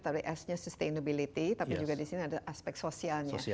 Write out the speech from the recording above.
tapi s nya sustainability tapi juga disini ada aspek sosialnya